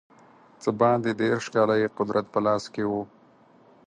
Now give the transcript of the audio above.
څه باندې دېرش کاله یې قدرت په لاس کې وو.